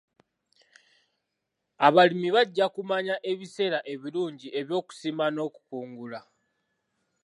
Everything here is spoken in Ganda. Abalimi bajja kumanya ebiseera ebirungi eby'okusimba n'okukungula.